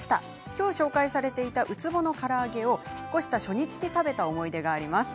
今日紹介されていたウツボのから揚げを引っ越した初日に食べた思い出があります。